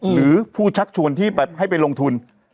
หรือผู้ชักชวนที่ให้ไปลงทุน